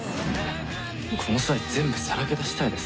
この際全部さらけ出したいです